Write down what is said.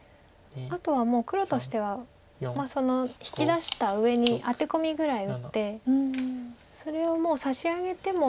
あとはもう黒としては引き出した上にアテ込みぐらい打ってそれをもう差し上げても。